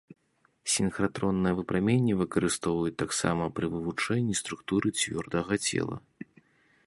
Сінхратроннае выпрамяненне выкарыстоўваюць таксама пры вывучэнні структуры цвёрдага цела.